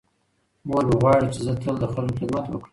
مور مې غواړي چې زه تل د خلکو خدمت وکړم.